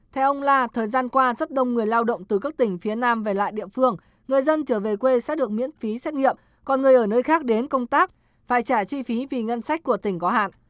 theo ông la thời gian qua rất đông người lao động từ các tỉnh phía nam về lại địa phương người dân trở về quê sẽ được miễn phí xét nghiệm còn người ở nơi khác đến công tác phải trả chi phí vì ngân sách của tỉnh có hạn